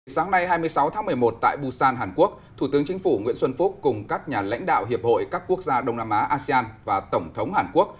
sáng nay hai mươi sáu tháng một mươi một tại busan hàn quốc thủ tướng chính phủ nguyễn xuân phúc cùng các nhà lãnh đạo hiệp hội các quốc gia đông nam á asean và tổng thống hàn quốc